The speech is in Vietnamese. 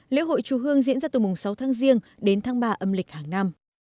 lễ hội chù hương diễn ra từ mùng sáu tháng giêng đến tháng ba âm lịch hàng năm